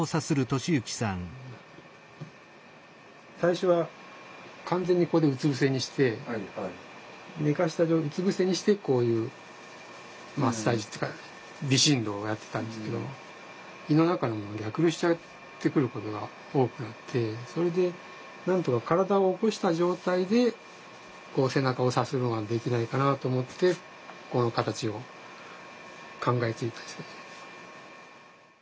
最初は完全にここでうつ伏せにして寝かしたうつ伏せにしてこういうマッサージっていうか微振動をやってたんですけど胃の中のもの逆流しちゃってくることが多くなってそれでなんとか体を起こした状態でこう背中をさするのができないかなと思ってこの形を考えついたんですけど。